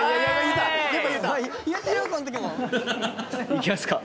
いきますか。